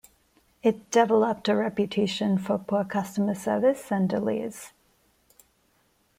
It developed a reputation for poor customer service and delays.